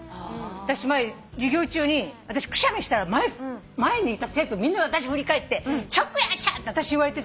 私前授業中にくしゃみしたら前にいた生徒みんなが私振り返って「チョックヤシャ」って言われて。